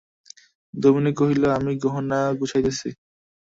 দামিনী কহিল, আমি গহনা গুছাইতেছি।